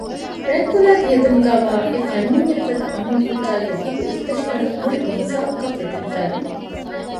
ރަތްކުލައިގެ ހެދުމުގައިވާ އެ ފަތްމިންޏެއް ފަދަ އަންހެން ކުއްޖާގެ ދިގު އިސްތަށިގަނޑު މުޅި އެ ހިސާބުގައި ފެތުރިފައިވި